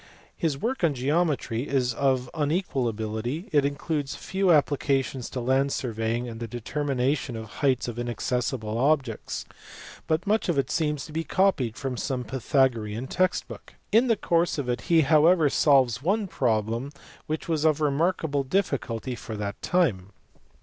His work on geometry is of unequal ability; it includes a few 142 THE RISE OF LEARNING IN WESTERN EUROPE. applications to land surveying and the determination of the heights of inaccessible objects, but much of it seems to be copied from some pythagorean text book. In the course of it he however solves one problem which was of remarkable diffi culty for that time.